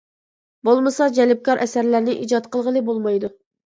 بولمىسا، جەلپكار ئەسەرلەرنى ئىجاد قىلغىلى بولمايدۇ.